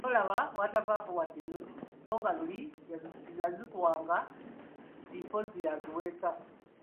Nolaba bwatavaako wadde ennusu so nga luli yazikuwanga nga nti mpozzi yaziweesa.